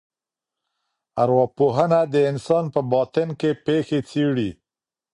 ارواپوهنه د انسان په باطن کي پېښي څېړي.